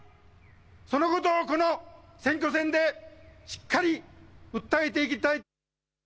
そのことをこの選挙戦でしっかり訴えていきたい。